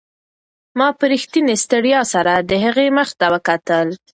ما په رښتینې ستړیا سره د هغې مخ ته وکتل.